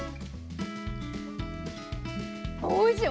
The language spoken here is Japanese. おいしい！